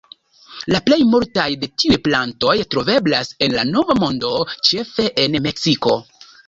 La plej multaj de tiuj plantoj troveblas en la Nova Mondo, ĉefe en Meksiko.